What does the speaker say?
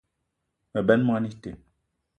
Me benn moni ite